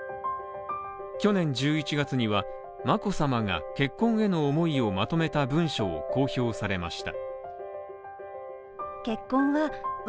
去年１１月には眞子さまが結婚への思いをまとめた文書を公表されました。